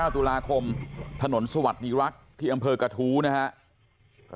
ตุลาคมถนนสวัสดีรักษ์ที่อำเภอกระทู้นะครับ